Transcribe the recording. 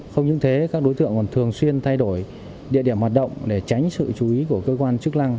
không những thế các đối tượng còn thường xuyên thay đổi địa điểm hoạt động để tránh sự chú ý của cơ quan chức năng